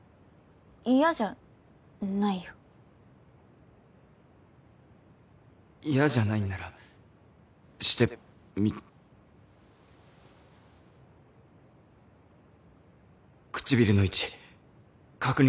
嫌じゃないよ嫌じゃないんならしてみ唇の位置確認